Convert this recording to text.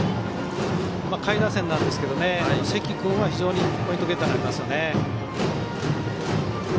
下位打線なんですが関君は非常にポイントゲッターです。